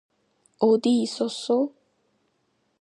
어디 있었어?